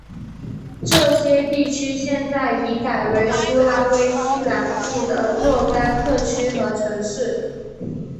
这些地区现在已改为苏拉威西南部的若干特区和城市。